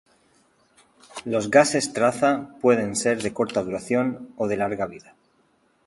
Los gases traza pueden ser de corta duración o de larga vida.